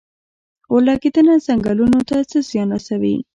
اورلګیدنه ځنګلونو ته څه زیان رسوي؟